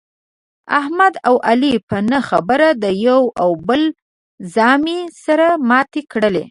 احمد او علي په نه خبره د یوه او بل زامې سره ماتې کړلې.